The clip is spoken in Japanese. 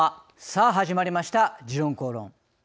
さあ始まりました「時論公論」。